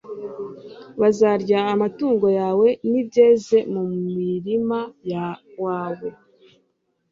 bazarya amatungo yawe n'ibyeze mu murima wawe